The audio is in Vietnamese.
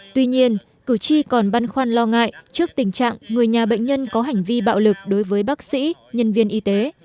tuy nhiên cử tri còn băn khoăn lo ngại trước tình trạng người nhà bệnh nhân có hành vi bạo lực đối với bác sĩ nhân viên y tế